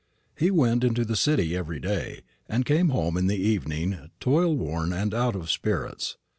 He went into the City every day, and came home in the evening toilworn and out of spirits.